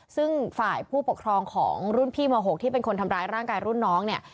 ซึ่งฝ่ายผู้ปกครองของรุ่นพี่ม๖ที่เป็นคนทำร้ายร่างกายรุ่นน้องเนี่ย